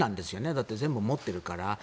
だって、全部持ってるから。